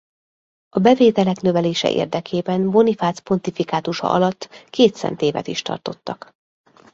A bevételek növelése érdekében Bonifác pontifikátusa alatt két Szentévet is tartottak.